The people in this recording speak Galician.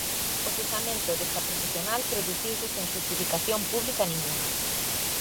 O cesamento desta profesional produciuse sen xustificación pública ningunha.